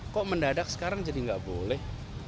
kok mendadak sekarang jadi nggak boleh